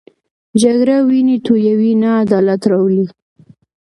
جګړه وینې تویوي، نه عدالت راولي